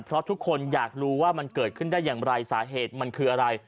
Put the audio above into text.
เพราะทุกคนอยากรู้ว่ามันเกิดขึ้นได้อย่างไรสาเหตุมันคืออะไร